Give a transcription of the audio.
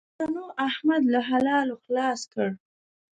مېلمنو؛ احمد له حلالو خلاص کړ.